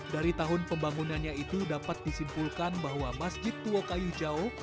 dari tahun pembangunannya itu dapat disimpulkan bahwa masjid tua kayu jauh